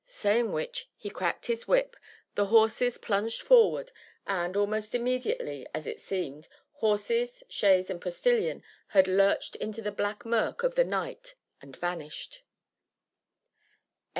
Saying which, he cracked his whip, the horses plunged forward, and, almost immediately, as it seemed, horses, chaise, and Postilion had lurched into the black murk of the night and vanished.